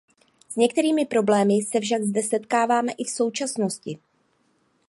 S některými problémy se však zde setkáme i v současnosti.